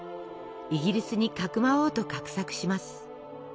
イギリスにかくまおうと画策します。